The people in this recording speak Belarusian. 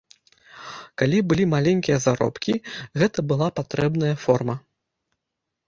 Калі былі маленькія заробкі, гэта была патрэбная форма.